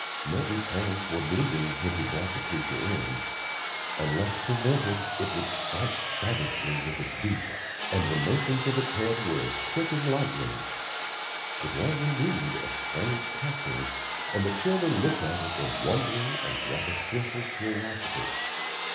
Merton's hands were bleeding when he brought the creature in. Unless prevented, it would strike savagely with its beak, and the motions of its head were as quick as lightning. It was, indeed, a strange captive, and the children looked at it in wondering and rather fearful curiosity.